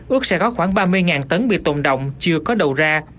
ước sẽ có khoảng ba mươi tấn bị tồn động chưa có đầu ra